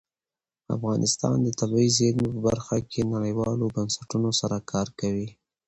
افغانستان د طبیعي زیرمې په برخه کې نړیوالو بنسټونو سره کار کوي.